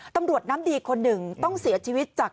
ตำรวจน้ำดีคนหนึ่งต้องเสียชีวิตจาก